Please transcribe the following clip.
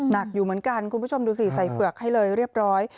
หนักอยู่เหมือนกันคุณผู้ชมดูสิใส่เปลือกให้เลยเรียบร้อย